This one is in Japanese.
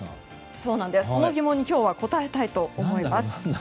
その疑問に今日は答えたいと思います。